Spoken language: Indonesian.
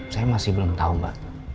saya masih belum tahu mbak